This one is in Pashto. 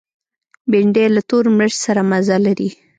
بېنډۍ له تور مرچ سره مزه لري